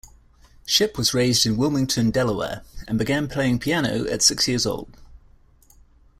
Shipp was raised in Wilmington, Delaware, and began playing piano at six years old.